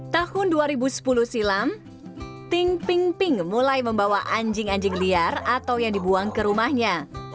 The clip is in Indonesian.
tahun dua ribu sepuluh silam ting ping ping mulai membawa anjing anjing liar atau yang dibuang ke rumahnya